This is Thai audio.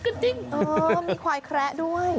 เออมีควายแคระด้วย